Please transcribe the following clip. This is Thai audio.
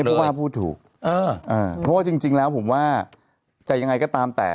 ผู้ว่าพูดถูกเพราะว่าจริงแล้วผมว่าจะยังไงก็ตามแต่